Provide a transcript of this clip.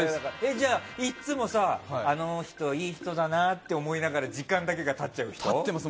じゃあ、いつもあの人いい人だなと思いながら時間だけが経っちゃう人？